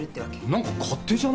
何か勝手じゃない？